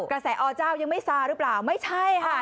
อเจ้ายังไม่ซาหรือเปล่าไม่ใช่ค่ะ